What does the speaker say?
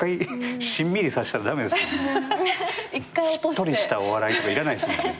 しっとりしたお笑いとかいらないですもんね。